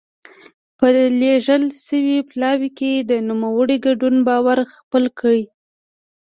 په لېږل شوي پلاوي کې د نوموړي ګډون باور خپل کړي.